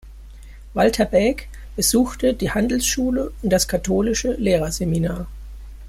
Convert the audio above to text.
Walter Bäck besuchte die Handelsschule und das Katholische Lehrerseminar.